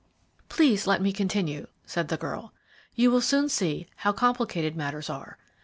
"Please let me continue," said the girl; "you will soon see how complicated matters are.